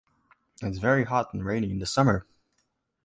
It's very hot and rainy in the Summer.